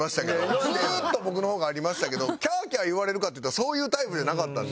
ずーっと僕の方がありましたけどキャーキャー言われるかって言ったらそういうタイプじゃなかったんで。